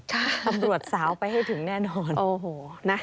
ตำรวจสาวไปให้ถึงแน่นอน